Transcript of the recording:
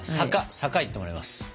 坂行ってもらいます。